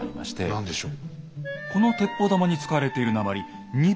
何でしょう。